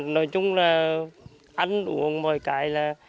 nói chung là ăn uống mọi cái là